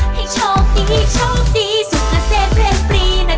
ให้โชคดีโชคดีสุขเกษตรเพลงปรีนะจ